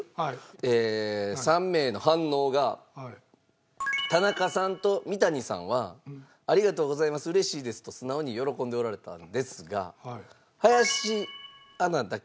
えー３名の反応が田中さんと三谷さんは「ありがとうございます。嬉しいです」と素直に喜んでおられたんですが林アナだけ。